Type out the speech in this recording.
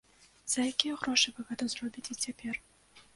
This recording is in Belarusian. За якія грошы вы гэта зробіце цяпер?